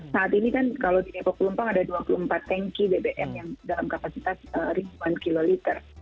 saat ini kan kalau di depok pelumpang ada dua puluh empat tanki bbm yang dalam kapasitas ribuan kiloliter